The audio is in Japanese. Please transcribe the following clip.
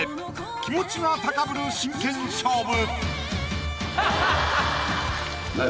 気持ちが高ぶる真剣勝負！